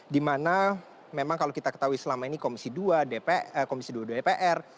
dimana memang kalau kita ketahui selama ini komisi dua dpr